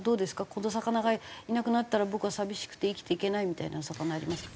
この魚がいなくなったら僕は寂しくて生きていけないみたいな魚ありますか？